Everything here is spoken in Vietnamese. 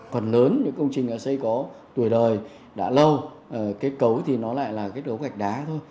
phần lớn những công trình xây có tuổi đời đã lâu kết cấu thì nó lại là cái đố gạch đá thôi